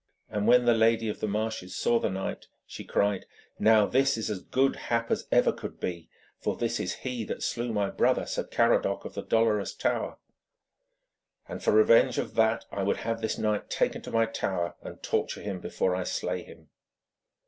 And when the Lady of the Marshes saw the knight she cried: 'Now this is as good hap as ever could be, for this is he that slew my brother, Sir Caradoc of the Dolorous Tower; and for revenge of that, I would have this knight taken to my tower and torture him before I slay him.'